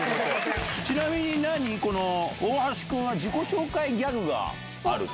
ちなみに、何、この大橋君は自己紹介ギャグがあると？